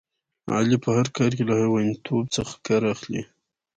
علي په هر کار کې له حیوانتوب څخه کار اخلي.